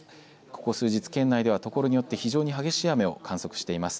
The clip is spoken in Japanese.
ここ数日県内では、所によって、非常に激しい雨を観測しています。